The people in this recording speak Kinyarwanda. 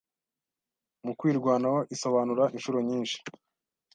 mukwirwanaho isobanura inshuro nyinshi